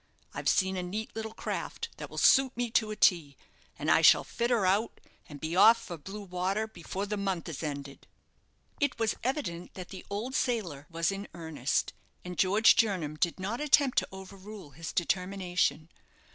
I've seen a neat little craft that will suit me to a T; and I shall fit her out, and be off for blue water before the month is ended." It was evident that the old sailor was in earnest, and George Jernam did not attempt to overrule his determination.